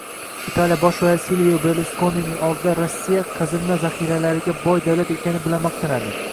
Italiya bosh vaziri Silvio Berluskonining oldida Rossiya qazilma zaxiralariga boy davlat ekani bilan maqtanadi.